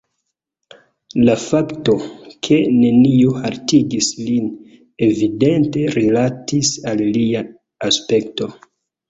La fakto, ke neniu haltigis lin, evidente rilatis al lia aspekto.